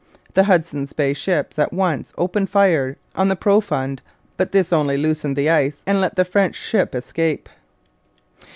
The Hudson's Bay ships at once opened fire on the Profond, but this only loosened the ice and let the French ship escape.